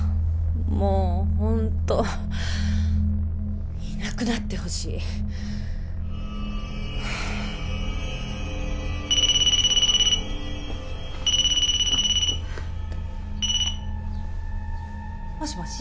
もうホントいなくなってほしい。もしもし？